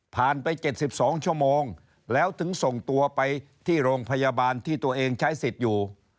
ไป๗๒ชั่วโมงแล้วถึงส่งตัวไปที่โรงพยาบาลที่ตัวเองใช้สิทธิ์อยู่